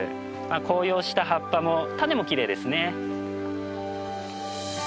紅葉した葉っぱも種もきれいですね。